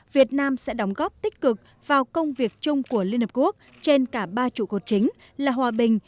việt nam sẽ đóng góp tích cực vào công việc chung của liên hợp quốc trên cả ba trụ cột chính là hòa bình